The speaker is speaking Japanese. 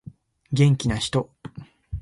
元気な人